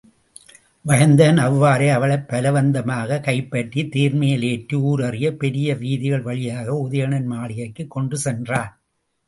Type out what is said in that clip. வயந்தகன் அவ்வாறே அவளைப் பலவந்தமாகக் கைப்பற்றித் தேர்மேலேற்றி ஊரறிய பெரிய வீதிகள் வழியாக உதயணன் மாளிகைக்குக் கொண்டு சென்றான்.